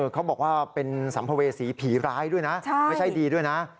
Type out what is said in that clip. เขาบอกว่าเป็นสัมภเวษีผีร้ายด้วยนะไม่ใช่ดีด้วยนะ